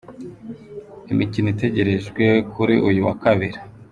Imikino itegerejwe kuri uyu wa Kabiri